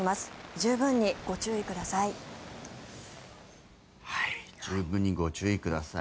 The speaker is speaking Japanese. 十分にご注意ください。